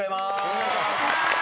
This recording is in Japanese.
お願いします。